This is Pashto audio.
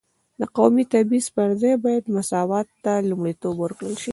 د قومي تبعیض پر ځای باید مساوات ته لومړیتوب ورکړل شي.